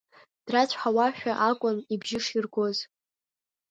Драцәҳауашәа акәын ибжьы ширгоз.